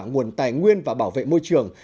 nguồn tài nguyên và bảo vệ môi trường